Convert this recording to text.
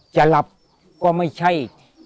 จะหลับก็ไม่ใช่